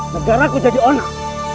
negaraku jadi onak